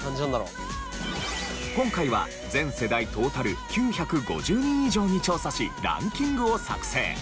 今回は全世代トータル９５０人以上に調査しランキングを作成。